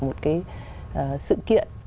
một cái sự kiện